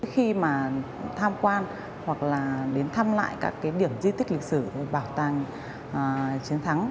khi mà tham quan hoặc là đến thăm lại các cái điểm di tích lịch sử bảo tàng chiến thắng